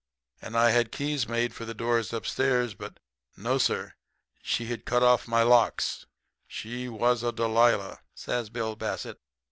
And I had keys made for the doors upstairs. But, no sir. She had sure cut off my locks. She was a Delilah,' says Bill Bassett.